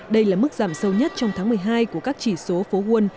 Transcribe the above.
đây là mức giảm sâu nhất trong tháng một mươi hai của các chỉ số phố quân